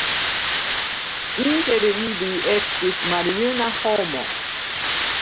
Inter ili estis maljuna homo.